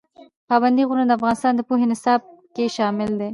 پابندی غرونه د افغانستان د پوهنې نصاب کې شامل دي.